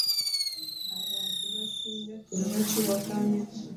Abantu abasinga kino bakiwakanya.